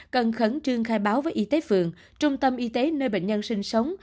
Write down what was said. cần khẩn trương khai báo với y tế phường trung tâm y tế nơi bệnh nhân sinh sống